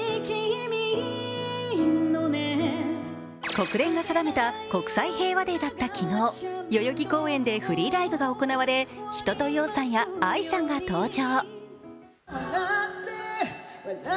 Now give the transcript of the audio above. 国連が定めた国際平和デーだった昨日、代々木公園でフリーライブが行われ一青窈さんやＡＩさんが登場。